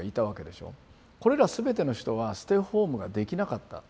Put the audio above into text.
これら全ての人はステイホームができなかった。